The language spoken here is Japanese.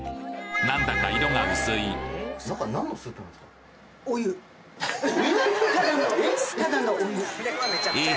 何だか色が薄いえっ？